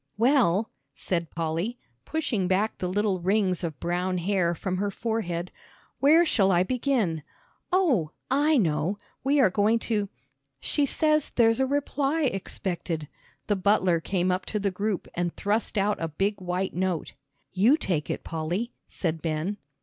"Well," said Polly, pushing back the little rings of brown hair from her forehead, "where shall I begin? Oh, I know, we are going to " "She says there's a reply expected." The butler came up to the group and thrust out a big white note. "You take it, Polly," said Ben.